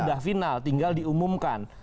sudah final tinggal diumumkan